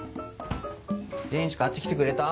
電池買ってきてくれた？